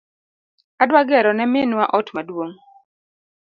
Adwa gero ne minwa ot maduong